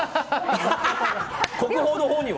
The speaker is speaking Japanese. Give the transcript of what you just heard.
国宝のほうには？